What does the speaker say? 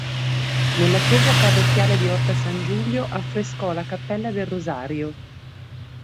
Nella chiesa parrocchiale di Orta San Giulio affrescò la cappella del rosario.